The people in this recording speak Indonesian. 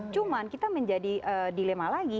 cuma kita menjadi dilema lagi